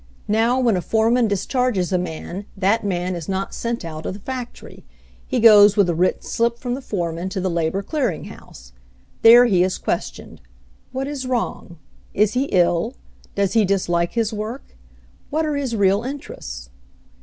Now when a foreman discharges a man, that man is not sent out of the factory. He goes with a written slip from the foreman to the labor clear ing house. There he is questioned. What is wrong? Is he ill? Does he dislike his work? What are his real interests